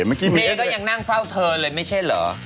เมก็ยังนั่งเฝ้าเธอเลยไม่ใช่เหรอ